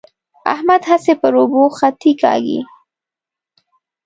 احمد هسې پر اوبو خطې کاږي.